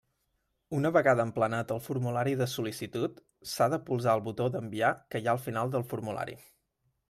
Una vegada emplenat el formulari de sol·licitud, s'ha de polsar el botó d'enviar que hi ha al final del formulari.